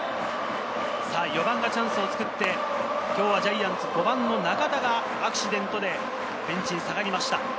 ４番がチャンスを作って、今日はジャイアンツ、５番の中田がアクシデントでベンチに下がりました。